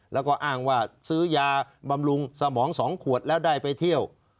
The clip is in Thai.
แล้วก็อ้างว่าซื้อยาบำรุงสมอง๒ขวดแล้วได้ไปเที่ยว